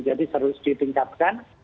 jadi serius ditingkatkan